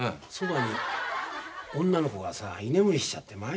そばに女の子がさ居眠りしちゃって。